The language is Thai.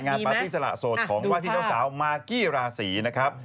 ปาร์ตี้สละโสดของว่าที่เจ้าสาวมากกี้ราศีนะครับ